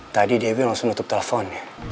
tadi dewi langsung tutup telepon